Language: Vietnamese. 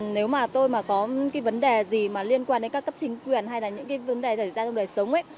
nếu mà tôi có vấn đề gì liên quan đến các cấp chính quyền hay là những vấn đề xảy ra trong đời sống